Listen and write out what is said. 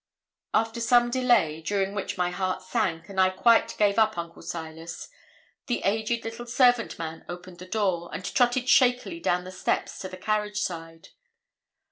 After some delay, during which my heart sank, and I quite gave up Uncle Silas, the aged little servant man opened the door, and trotted shakily down the steps to the carriage side.